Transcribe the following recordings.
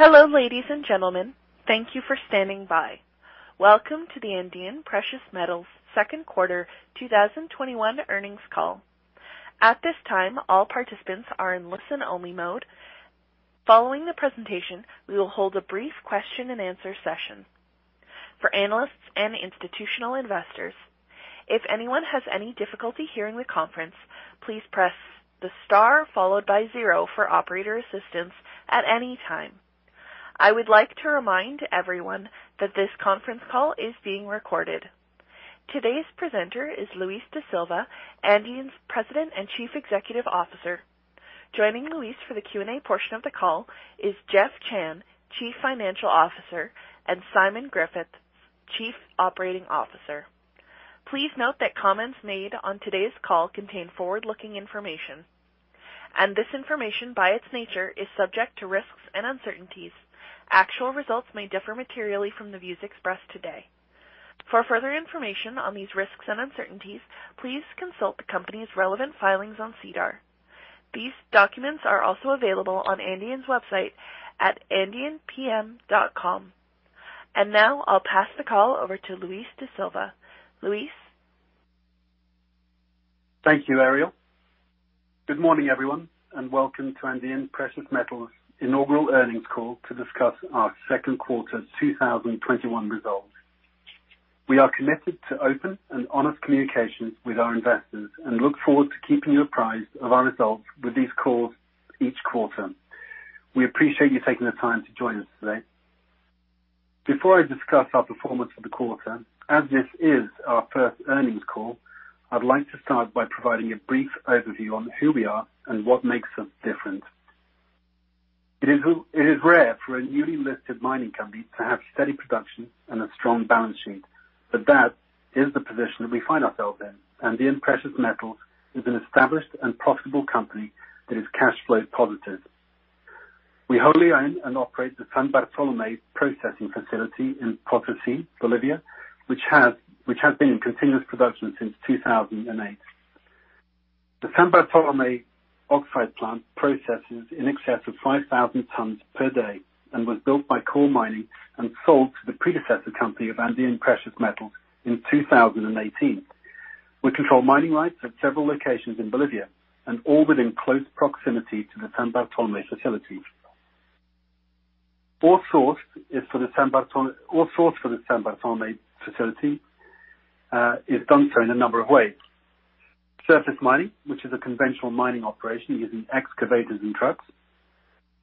Hello, ladies and gentlemen. Thank you for standing by. Welcome to the Andean Precious Metals Q2 2021 Earnings Call. At this time, all participants are in listen-only mode. Following the presentation, we will hold a brief question and answer session for analysts and institutional investors. If anyone has any difficulty hearing the conference, please press the star followed by zero for operator assistance at any time. I would like to remind everyone that this conference call is being recorded. Today's presenter is Luis da Silva, Andean's President and Chief Executive Officer. Joining Luis for the Q&A portion of the call is Jeff Chan, Chief Financial Officer, and Simon Griffiths, Chief Operating Officer. Please note that comments made on today's call contain forward-looking information, and this information, by its nature, is subject to risks and uncertainties. Actual results may differ materially from the views expressed today. For further information on these risks and uncertainties, please consult the company's relevant filings on SEDAR. These documents are also available on Andean's website at andeanpm.com. Now I'll pass the call over to Luis da Silva. Luis? Thank you, Ariel. Good morning, everyone, and welcome to Andean Precious Metals' inaugural earnings call to discuss our second quarter 2021 results. We are committed to open and honest communication with our investors and look forward to keeping you apprised of our results with these calls each quarter. We appreciate you taking the time to join us today. Before I discuss our performance for the quarter, as this is our first earnings call, I'd like to start by providing a brief overview on who we are and what makes us different. It is rare for a newly listed mining company to have steady production and a strong balance sheet, but that is the position that we find ourselves in. Andean Precious Metals is an established and profitable company that is cash flow positive. We wholly own and operate the San Bartolomé processing facility in Potosí, Bolivia, which has been in continuous production since 2008. The San Bartolomé oxide plant processes in excess of 5,000 tons per day and was built by Coeur Mining and sold to the predecessor company of Andean Precious Metals in 2018. We control mining rights at several locations in Bolivia and all within close proximity to the San Bartolomé facility. Ore source for the San Bartolomé facility, is done so in a number of ways. Surface mining, which is a conventional mining operation using excavators and trucks.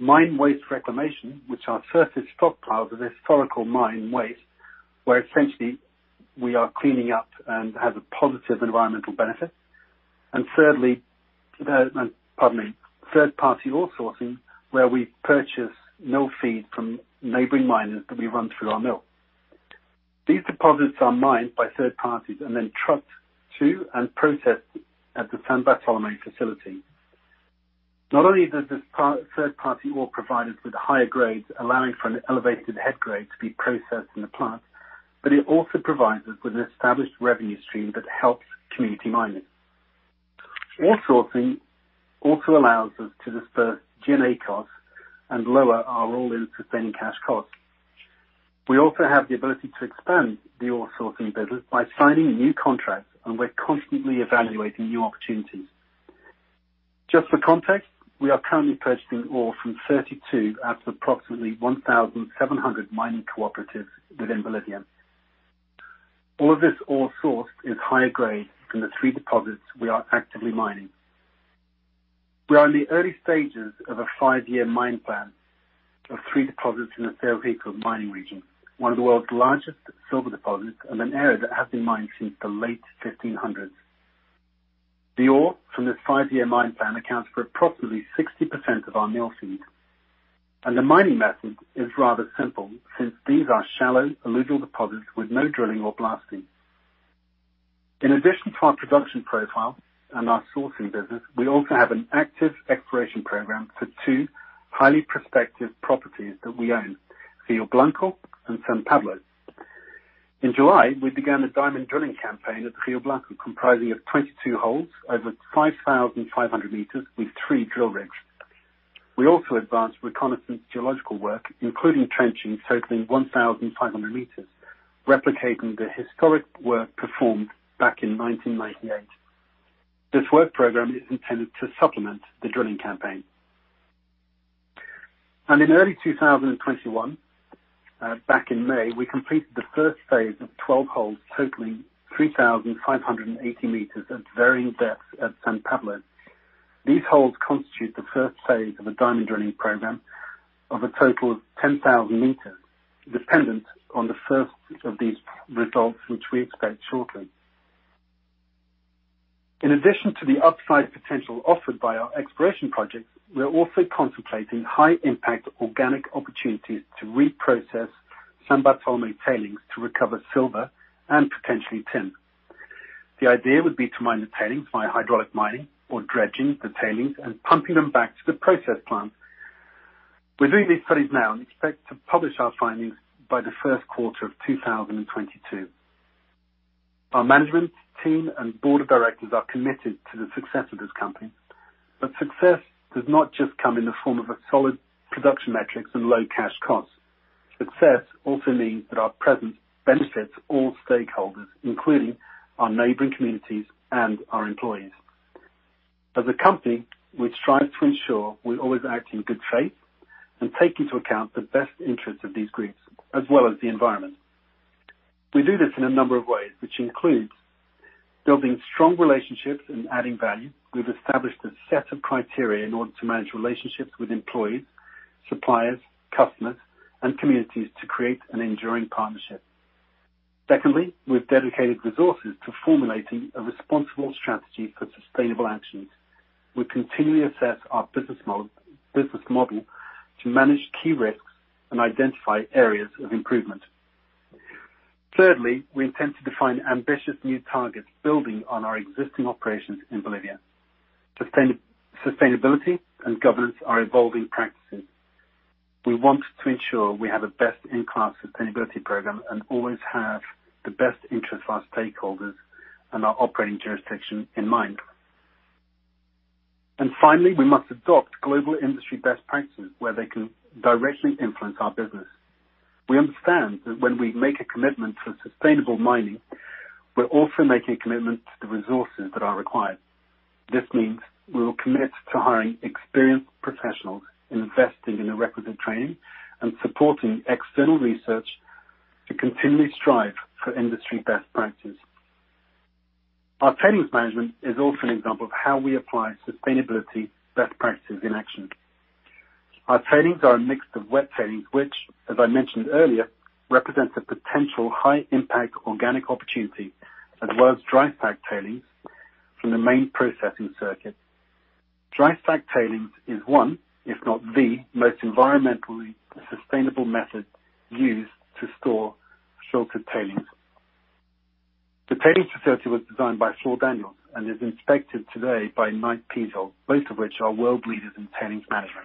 Mine waste reclamation, which are surface stockpiles of historical mine waste, where essentially we are cleaning up and has a positive environmental benefit. Thirdly, pardon me, third-party ore sourcing, where we purchase mill feed from neighbouring miners that we run through our mill. These deposits are mined by third parties and then trucked to and processed at the San Bartolomé facility. Not only does this third party ore provide us with higher grades, allowing for an elevated head grade to be processed in the plant, but it also provides us with an established revenue stream that helps community mining. Ore sourcing also allows us to disperse G&A costs and lower our all-in sustaining cash costs. We also have the ability to expand the ore sourcing business by signing new contracts, and we're constantly evaluating new opportunities. Just for context, we are currently purchasing ore from 32 out of approximately 1,700 mining cooperatives within Bolivia. All of this ore sourced is higher grade than the three deposits we are actively mining. We are in the early stages of a five-year mine plan of three deposits in the Cerro Rico mining region, one of the world's largest silver deposits in an area that has been mined since the late 1500s. The ore from this five-year mine plan accounts for approximately 60% of our mill feed. The mining method is rather simple, since these are shallow, alluvial deposits with no drilling or blasting. In addition to our production profile and our sourcing business, we also have an active exploration program for two highly prospective properties that we own, Rio Blanco and San Pablo. In July, we began a diamond drilling campaign at the Rio Blanco, comprising of 22 holes over 5,500 meters with three drill rigs. We also advanced reconnaissance geological work, including trenching totaling 1,500 meters, replicating the historic work performed back in 1998. This work program is intended to supplement the drilling campaign. In early 2021, back in May, we completed the first phase of 12 holes totaling 3,580 meters at varying depths at San Pablo. These holes constitute the first phase of a diamond drilling program of a total of 10,000 meters, dependent on the first of these results, which we expect shortly. In addition to the upside potential offered by our exploration projects, we are also contemplating high impact organic opportunities to reprocess San Bartolomé tailings to recover silver and potentially tin. The idea would be to mine the tailings by hydraulic mining or dredging the tailings and pumping them back to the process plant. We're doing these studies now and expect to publish our findings by the first quarter of 2022. Our management team and board of directors are committed to the success of this company. Success does not just come in the form of solid production metrics and low cash costs. Success also means that our presence benefits all stakeholders, including our neighbouring communities and our employees. As a company, we strive to ensure we always act in good faith and take into account the best interests of these groups, as well as the environment. We do this in a number of ways, which includes building strong relationships and adding value. We've established a set of criteria in order to manage relationships with employees, suppliers, customers, and communities to create an enduring partnership. Secondly, we've dedicated resources to formulating a responsible strategy for sustainable actions. We continually assess our business model to manage key risks and identify areas of improvement. Thirdly, we intend to define ambitious new targets, building on our existing operations in Bolivia. Sustainability and governance are evolving practices. We want to ensure we have a best-in-class sustainability program and always have the best interest of our stakeholders and our operating jurisdiction in mind. Finally, we must adopt global industry best practices where they can directly influence our business. We understand that when we make a commitment to sustainable mining, we're also making a commitment to the resources that are required. This means we will commit to hiring experienced professionals, investing in the requisite training, and supporting external research to continually strive for industry best practices. Our tailings management is also an example of how we apply sustainability best practices in action. Our tailings are a mix of wet tailings, which as I mentioned earlier, represent a potential high-impact organic opportunity, as well as dry stack tailings from the main processing circuit. Dry stack tailings is one, if not the, most environmentally sustainable method used to store filtered tailings. The tailings facility was designed by Fluor Daniels and is inspected today by Knight Piésold, both of which are world leaders in tailings management.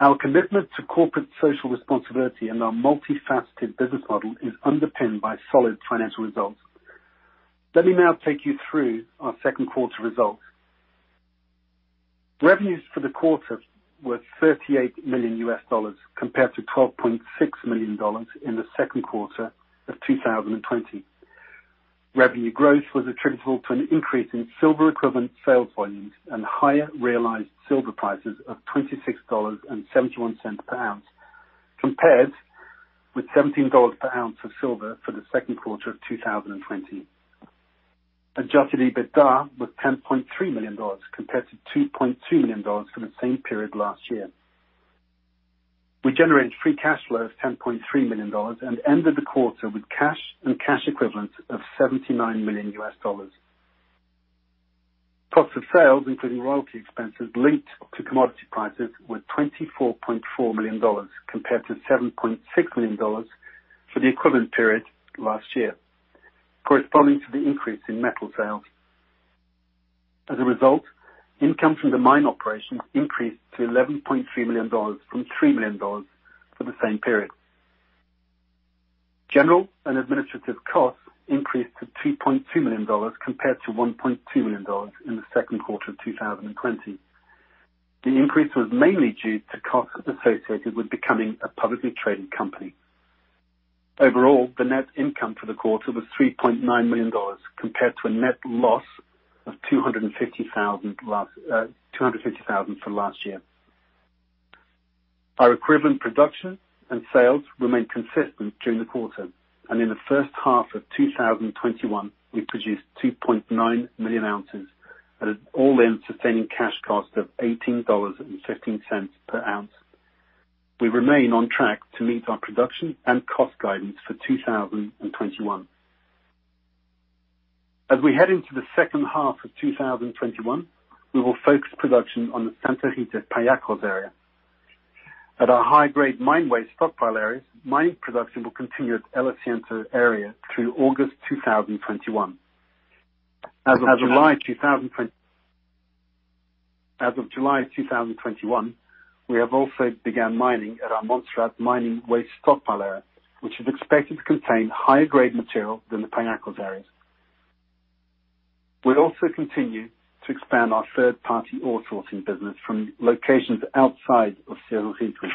Our commitment to corporate social responsibility and our multifaceted business model is underpinned by solid financial results. Let me now take you through our second quarter results. Revenues for the quarter were $38 million compared to $12.6 million in the second quarter of 2020. Revenue growth was attributable to an increase in silver equivalent sales volumes and higher realized silver prices of $26.71 per ounce, compared with $17 per ounce of silver for the second quarter of 2020. Adjusted EBITDA was $10.3 million, compared to $2.2 million for the same period last year. We generated free cash flow of $10.3 million and ended the quarter with cash and cash equivalents of $79 million. Cost of sales, including royalty expenses linked to commodity prices, were $24.4 million compared to $7.6 million for the equivalent period last year, corresponding to the increase in metal sales. As a result, income from the mine operations increased to $11.3 million from $3 million for the same period. General and administrative costs increased to $3.2 million compared to $1.2 million in Q2 2020. The increase was mainly due to costs associated with becoming a publicly traded company. Overall, the net income for the quarter was $3.9 million, compared to a net loss of $250,000 from last year. Our equivalent production and sales remained consistent during the quarter. In the first half of 2021, we produced 2.9 million ounces at an all-in sustaining cash cost of $18.15 per ounce. We remain on track to meet our production and cost guidance for 2021. As we head into the second half of 2021, we will focus production on the Santa Rita Pallacos area. At our high-grade mine waste stockpile areas, mine production will continue at El Centro area through August 2021. As of July 2021, we have also began mining at our Monserrat mining waste stockpile area, which is expected to contain higher grade material than the Pallacos areas. We will also continue to expand our third-party ore sourcing business from locations outside of Cerro Rico.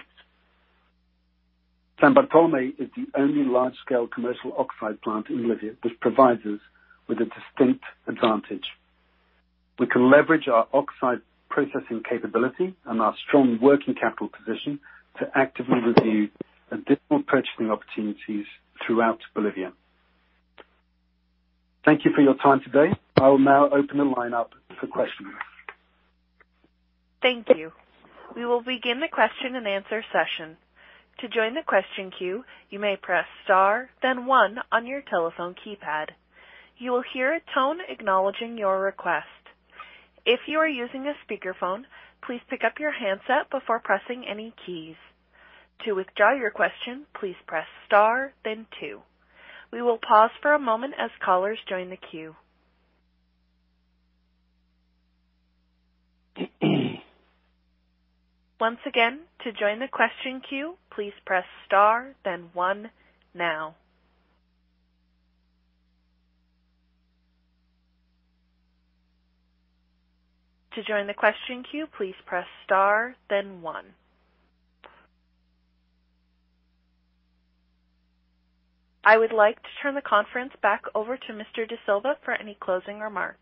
San Bartolomé is the only large-scale commercial oxide plant in Bolivia that provides us with a distinct advantage. We can leverage our oxide processing capability and our strong working capital position to actively review additional purchasing opportunities throughout Bolivia. Thank you for your time today. I will now open the line up for questions. Thank you. We will begin the question and answer session. To join the question queue, you may press star then one on your telephone keypad. You will hear a tone acknowledging your request. If you are using a speakerphone, please pick up your handset before pressing any keys. To withdraw your question, please press star then two. We will pause for a moment as callers join the queue. I would like to turn the conference back over to Mr. Da Silva for any closing remarks.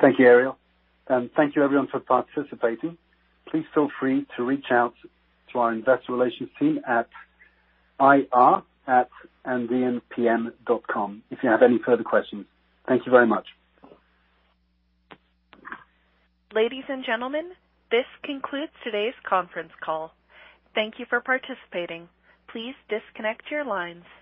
Thank you, Ariel, and thank you everyone for participating. Please feel free to reach out to our investor relations team at ir@andeanpm.com if you have any further questions. Thank you very much. Ladies and gentlemen, this concludes today's conference call. Thank you for participating. Please disconnect your lines.